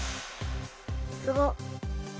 すごっ。